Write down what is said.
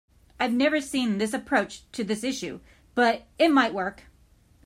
I have never seen this approach to this issue, but it might work.